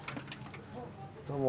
どうも。